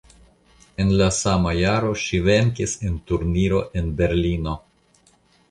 En la sama jaro ŝi venkis en turniro en Berlino.